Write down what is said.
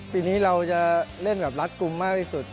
ปีนี้เราจะเล่นแบบรัดกลุ่มมากที่สุด